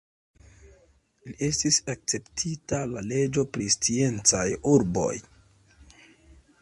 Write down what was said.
La estis akceptita la leĝo pri sciencaj urboj.